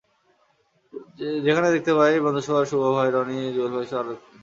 যেখানে দেখতে পাই বন্ধুসভার শুভ ভাই, রনি, জুয়েল ভাইসহ আরও অনেককে।